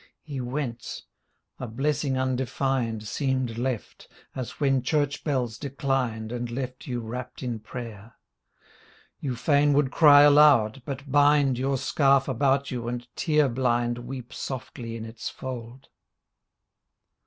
He went! A blessing undefined Seemed left, as when church bells declined And left you wrapt in prayer. You fain would cry aloud — ^but bind Your scarf about you and tear blind Weep softly in its fold.